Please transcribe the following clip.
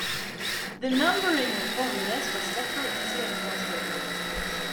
The numbering of formulas was kept for easier cross-reference.